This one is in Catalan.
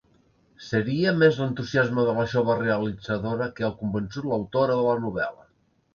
Seria més l'entusiasme de la jove realitzadora que ha convençut l'autora de la novel·la.